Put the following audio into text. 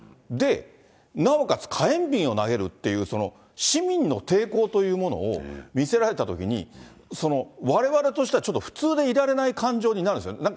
で、なおかつ火炎瓶を投げるっていう、市民の抵抗というものを見せられたときに、われわれとしてはちょっと普通でいられない感情になるんですよね。